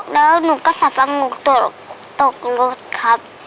แล้วหนูก็สามารถหนูตกรถครับ